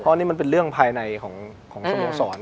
อันนี้มันเป็นเรื่องภายในของสโมสร